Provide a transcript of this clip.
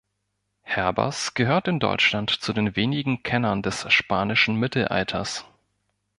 Herbers gehört in Deutschland zu den wenigen Kennern des spanischen Mittelalters.